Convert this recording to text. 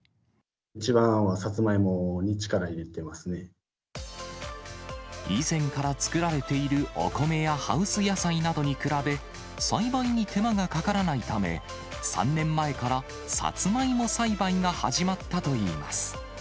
一番はサツマイモに力を入れ以前から作られているお米やハウス野菜などに比べ、栽培に手間がかからないため、３年前からサツマイモ栽培が始まったといいます。